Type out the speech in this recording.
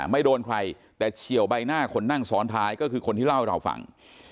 ไม่โดนใครแต่เฉียวใบหน้าคนนั่งซ้อนท้ายก็คือคนที่เล่าให้เราฟัง